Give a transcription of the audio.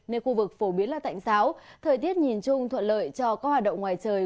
nên khu vực phổ biến là tạnh giáo thời tiết nhìn chung thuận lợi cho các hoạt động ngoài trời